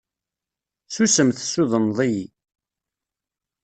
Susem tessudneḍ-iyi.